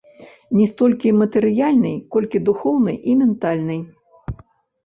Не столькі матэрыяльнай, колькі духоўнай і ментальнай.